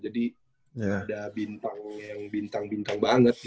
jadi ada bintang yang bintang bintang banget